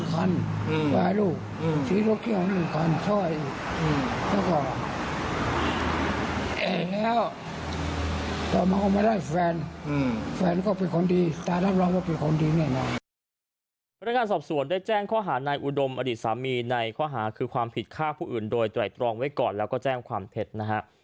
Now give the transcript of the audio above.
พนักงานสอบสวนได้แจ้งข้อหานายอุดมอดีตสามีในข้อหาคือความผิดฆ่าผู้อื่นโดยไตรตรองไว้ก่อนแล้วก็แจ้งความเท็จนะฮะ